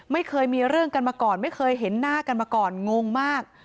ไม่เคยมีเรื่องกันมาก่อนไม่เคยเห็นหน้ากันมาก่อนงงมาก